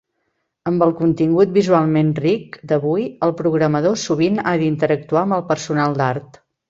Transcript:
Amb el contingut visualment ric d'avui, el programador sovint ha d'interactuar amb el personal d'art.